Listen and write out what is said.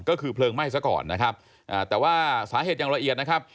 ก็คือเพลิงไหม้ซะก่อนนะครับอ่าแต่ว่าสาเหตุอย่างละเอียดนะครับ